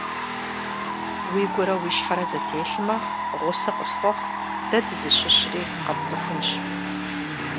Уигурэ уи щхьэрэ зэтелъмэ, гъусэ къысхуэхъу, дэ дызыщыщри къэпцӀыхунщ.